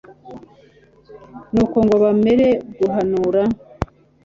nuko ngo bamare guhanura